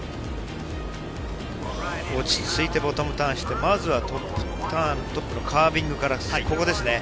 落ち着いてボトムターンして、まずはトップのカービングからここですね。